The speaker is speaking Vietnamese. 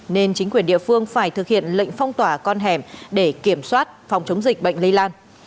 nên chính quyền địa phương phải thực hiện lệnh phong tỏa con hẻm để kiểm soát phòng chống dịch bệnh lây lan